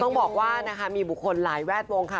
ต้องบอกว่านะคะมีบุคคลหลายแวดวงค่ะ